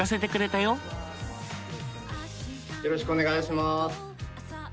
よろしくお願いします。